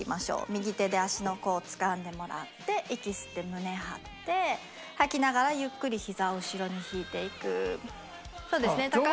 右手で足の甲をつかんでもらって息吸って胸張って吐きながらゆっくりひざを後ろに引いていく。